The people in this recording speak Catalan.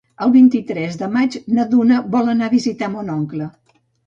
El vint-i-tres de maig na Duna vol anar a visitar mon oncle.